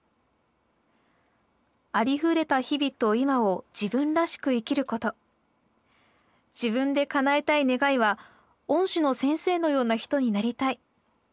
「ありふれた日々と今を自分らしく生きること自分で叶えたい願いは恩師の先生のような人になりたい。